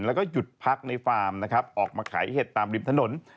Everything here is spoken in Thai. แล้วก็หยุดพักในฟาร์มนะครับออกมาขายเห็ดตามริมถนน